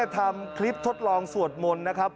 ทำคลิปทดลองสวดมนต์นะครับ